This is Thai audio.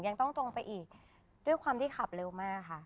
ยังต้องตรงไปอีกด้วยความที่ขับเร็วมากค่ะ